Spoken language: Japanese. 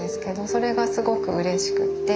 それがすごくうれしくって。